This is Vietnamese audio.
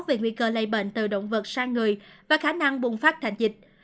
về nguy cơ lây bệnh từ động vật sang người và khả năng bùng phát thành dịch